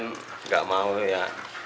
nggak mau ya